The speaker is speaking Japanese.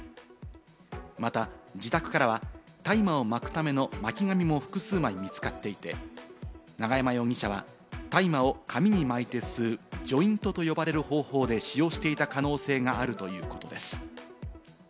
また自宅からは、大麻を巻くための巻き紙も複数枚見つかっていて、永山容疑者が大麻を紙に巻いて吸うジョイントと呼ばれる方法で使用していた可能性があるということです。